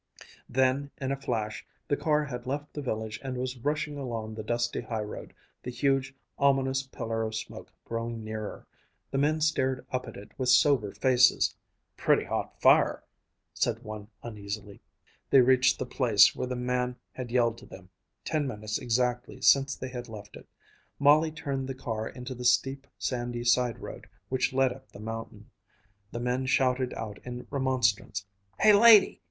Then in a flash the car had left the village and was rushing along the dusty highroad, the huge, ominous pillar of smoke growing nearer. The men stared up at it with sober faces. "Pretty hot fire!" said one uneasily. They reached the place where the man had yelled to them ten minutes exactly since they had left it. Molly turned the car into the steep sandy side road which led up the mountain. The men shouted out in remonstrance, "Hey, lady!